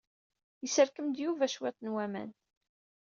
Yesserkem-d Yuba cwiṭ n waman.